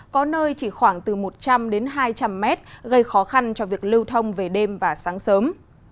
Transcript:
có nơi chỉ khoảng từ một trăm linh đến hai trăm linh mét gây khó khăn cho việc lưu thông về đêm và sáng sớm